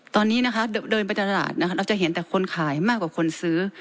ตอนนี้นะคะเดินไปตลาดนะคะเราจะเห็นแต่คนขายมากกว่าคนซื้อ